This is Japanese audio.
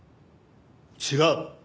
違う！